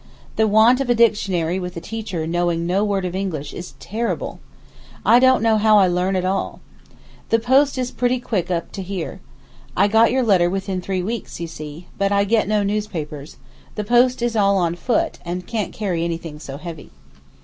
The want of a dictionary with a teacher knowing no word of English is terrible. I don't know how I learn at all. The post is pretty quick up to here. I got your letter within three weeks, you see, but I get no newspapers; the post is all on foot and can't carry anything so heavy.